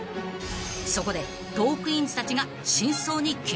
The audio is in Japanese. ［そこでトークィーンズたちが］